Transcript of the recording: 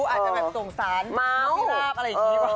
อาจจะต่งสารหรอ